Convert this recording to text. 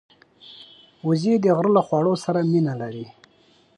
وزې د غره له خواړو سره مینه لري